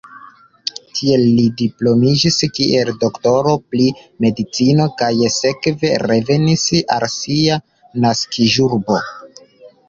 Tie li diplomiĝis kiel doktoro pri medicino kaj sekve revenis al sia naskiĝurbo.